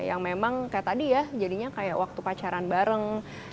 yang memang kayak tadi ya jadinya kayak waktu pacaran bareng